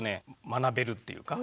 学べるっていうか。